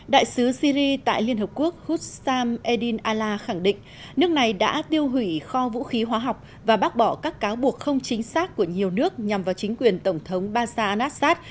đại sứ syri tại liên hợp quốc hussam edin ala khẳng định nước này đã tiêu hủy kho vũ khí hóa học và bác bỏ các cáo buộc không chính xác của nhiều nước nhằm vào chính quyền tổng thống bashanasat